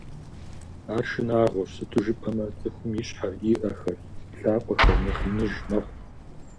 Ар шынагъуэщ, сыту жыпӀэмэ, цӀыхум и щхьэр, и Ӏэхэр, и лъакъуэхэр нэхъ иныж мэхъу.